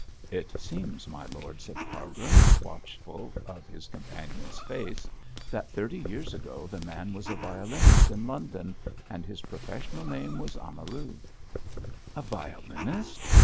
'It seems, my lord,' said Cargrim, watchful of his companion's face, 'that thirty years ago the man was a violinist in London and his professional name was Amaru.' 'A violinist!